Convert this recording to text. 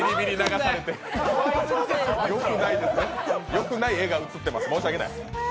よくない画が映ってます、申し訳ない。